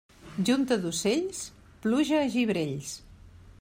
Junta d'ocells, pluja a gibrells.